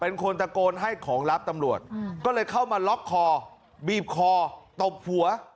เป็นคนตะโกนให้ของรับตำรวจก็เลยเข้ามาล็อกคอบีบคอตบหัว